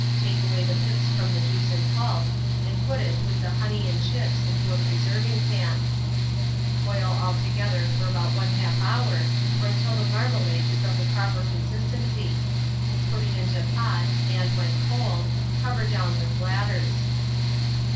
Take away the pips from the juice and pulp, and put it with the honey and chips into a preserving pan; boil all together for about 1/2 hour, or until the marmalade is of the proper consistency; put it into pots, and, when cold, cover down with bladders.